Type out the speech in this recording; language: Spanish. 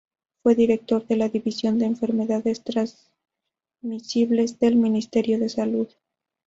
Fue director de la división de Enfermedades Transmisibles del Ministerio de Salud.